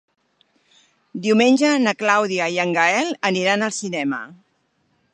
Diumenge na Clàudia i en Gaël aniran al cinema.